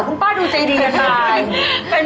คุณป้าดูใจดีกันเลย